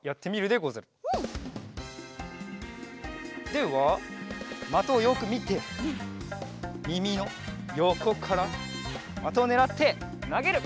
ではまとをよくみてみみのよこからまとをねらってなげる！